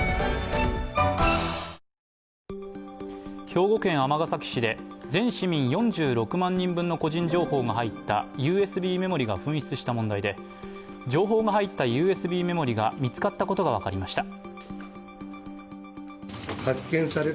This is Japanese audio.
兵庫県尼崎市で全市民４６万人分の個人情報が入ったＵＳＢメモリーが紛失した問題で情報が入ったＵＳＢメモリーが見つかったことが分かりました。